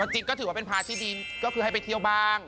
จิตก็ถือว่าเป็นพาร์ทที่ดีก็คือให้ไปเที่ยวบ้าง